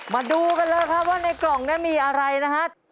มาดูกันเลยครับว่าในกล่องนี้มีอะไรนะฮะ